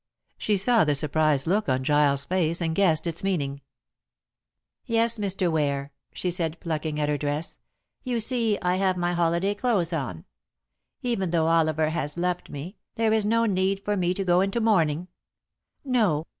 She saw the surprised look on Giles' face, and guessed its meaning. "Yes, Mr. Ware," she said, plucking at her dress, "you see I have my holiday clothes on. Even though Oliver has left me, there is no need for me to go into mourning. No.